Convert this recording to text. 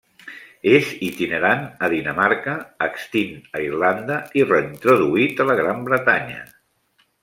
És itinerant a Dinamarca, extint a Irlanda i reintroduït a la Gran Bretanya.